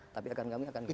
tapi akan kami kembali